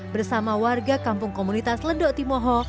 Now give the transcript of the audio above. bersama warga kampung komunitas ledok timoho